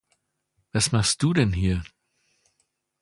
Was machst du denn hier?